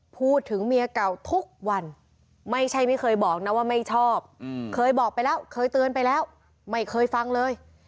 พูดถึงเมียเก่าทุกวันไม่ใช่ไม่เคยบอกนะว่าไม่ชอบเคยบอกไปแล้วเคยเตือนไปแล้วไม่เคยฟังเลย